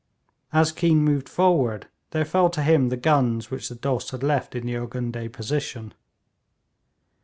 As Keane moved forward, there fell to him the guns which the Dost had left in the Urgundeh position.